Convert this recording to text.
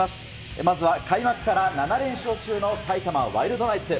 まずは開幕から７連勝中の埼玉ワイルドナイツ。